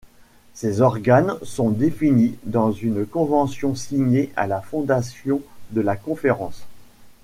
Ces organes sont définis dans une Convention signée à la fondation de la Conférence.